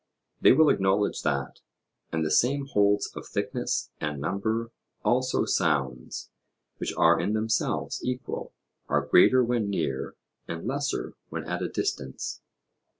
They will acknowledge that. And the same holds of thickness and number; also sounds, which are in themselves equal, are greater when near, and lesser when at a distance.